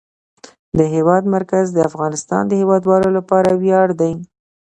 د هېواد مرکز د افغانستان د هیوادوالو لپاره ویاړ دی.